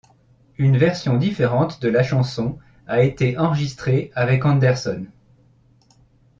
Une version différente de la chanson a été enregistrée avec Anderson.